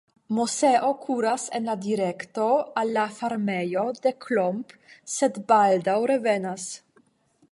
Moseo kuras en la direkto al la farmejo de Klomp, sed baldaŭ revenas.